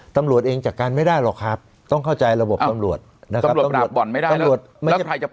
ตำรวจเองจัดการไม่ได้หรอกครับต้องเข้าใจระบบตำรวจตำรวจปราบบ่อนไม่ได้แล้ว